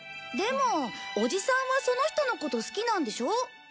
でもおじさんはその人のこと好きなんでしょ？